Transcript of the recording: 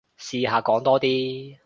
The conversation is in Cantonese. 試下講多啲